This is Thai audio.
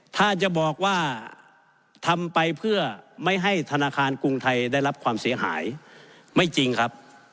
ถ้าจะบอกว่าทำไปเพื่อไม่ให้ธนาคารกรุงไทยได้รับความเสียหายไม่จริงครับ